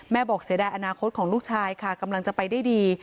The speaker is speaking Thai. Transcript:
บอกเสียดายอนาคตของลูกชายค่ะกำลังจะไปได้ดี